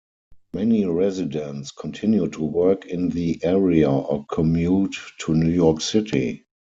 Many residents continue to work in the area or commute to New York City.